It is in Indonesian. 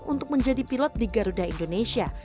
untuk menjadi pilot di garuda indonesia